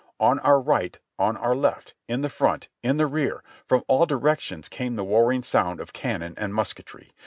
On our right, on our left, in the front, in the rear, from all directions came the warring sound of cannon and musketry.